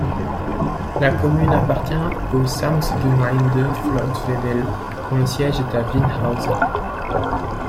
La commune appartient au Samtgemeinde Flotwedel dont le siège est à Wienhausen.